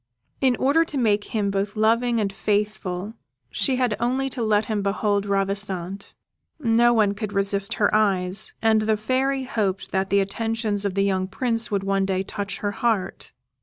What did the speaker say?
In order to make him both loving and faithful she had only to let him behold Ravissante. No one could resist her eyes, and the Fairy hoped that the attentions of the young Prince would one day touch her heart.